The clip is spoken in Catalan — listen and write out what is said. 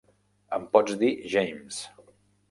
Em pots dir James.